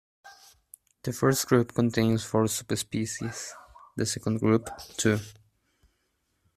The first group contains four subspecies, the second group two.